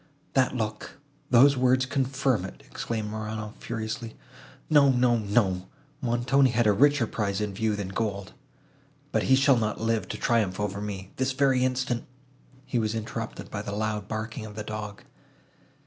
"That look, those words confirm it," exclaimed Morano, furiously. "No, no, no, Montoni had a richer prize in view, than gold. But he shall not live to triumph over me!—This very instant—" He was interrupted by the loud barking of the dog.